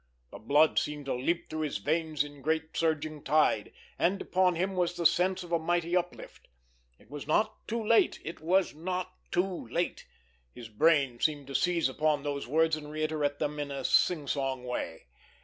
The blood seemed to leap through his veins in a great surging tide, and upon him was the sense of a mighty uplift. It was not too late! It was not too late! His brain seemed to seize upon those words and reiterate them in a sing song way.